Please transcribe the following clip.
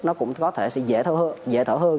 nó cũng có thể sẽ dễ thở hơn